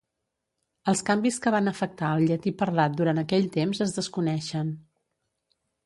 Els canvis que van afectar el llatí parlat durant aquell temps es desconeixen.